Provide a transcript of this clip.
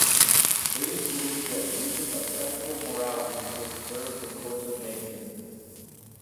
It is believed that breaches of sexual morality disturb the course of nature.